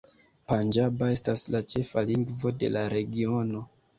Panĝaba estas la ĉefa lingvo de la regiono.